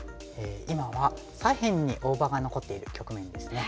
今は左辺に大場が残っている局面ですね。